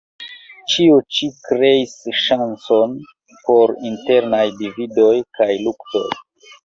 Ĉio ĉi kreis ŝancon por internaj dividoj kaj luktoj.